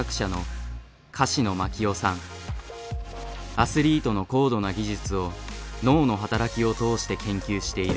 アスリートの高度な技術を脳の働きを通して研究している。